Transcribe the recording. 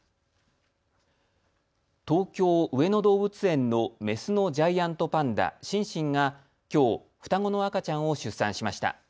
東京上野動物園のメスのジャイアントパンダ、シンシンがきょう双子の赤ちゃんを出産しました。